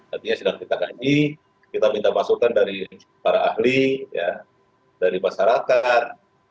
artinya sedang kita kaji kita minta masukan dari para ahli dari masyarakat